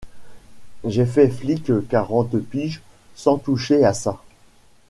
J’ai fait flic quarante piges sans toucher à ça !